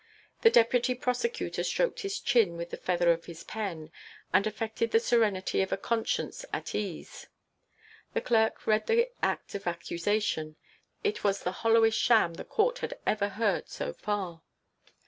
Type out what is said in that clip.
The Deputy Prosecutor stroked his chin with the feather of his pen and affected the serenity of a conscience at ease. The Clerk read the act of accusation; it was the hollowest sham the Court had ever heard so far.